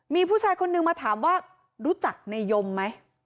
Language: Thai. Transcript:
มีผู้ชายคนนึงมาถามว่ารู้จักในยมไหม